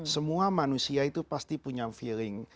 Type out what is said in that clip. semua manusia itu pasti punya feeling